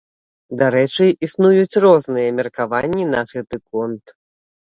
Дарэчы, існуюць розныя меркаванні на гэты конт.